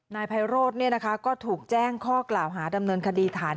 นายไพโรธก็ถูกแจ้งข้อกล่าวหาดำเนินคดีฐาน